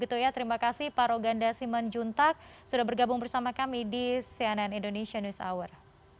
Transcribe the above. terima kasih pak roganda siman juntak sudah bergabung bersama kami di cnn indonesia news hour